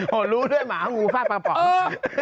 โหรู้ด้วยหมางูฟาดปากกระป๋อง